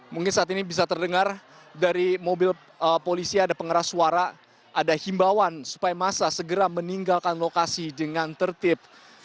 mungkin saat ini bisa terdengar dari mobil polisi ada pengeras suara ada himbawan supaya masa segera meninggalkan lokasi dengan tertib